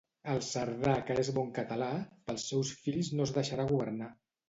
El cerdà que és bon català, pels seus fills no es deixarà governar.